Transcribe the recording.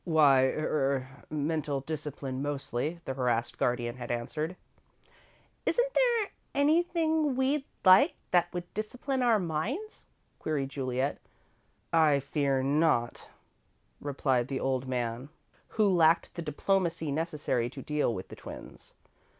"Why er mental discipline, mostly," the harassed guardian had answered. "Isn't there anything we'd like that would discipline our minds?" queried Juliet. "I fear not," replied the old man, who lacked the diplomacy necessary to deal with the twins.